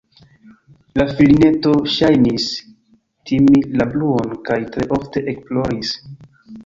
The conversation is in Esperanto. La filineto ŝajnis timi la bruon kaj tre ofte ekploris.